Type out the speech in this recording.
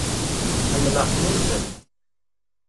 Ḥemmleɣ-k nezzeh.